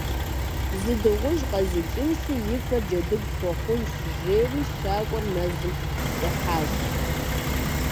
«Зы дыгъужь къэзукӏынщи, и фэр джэдыгу схуэхъунщ!» - жери щакӏуэр мэзым щӏыхьащ.